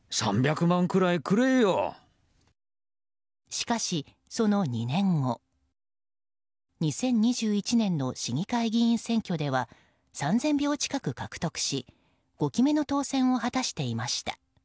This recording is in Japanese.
しかし、その２年後２０２１年の市議会議員選挙では３０００票近く獲得し５期目の当選を果たしていました。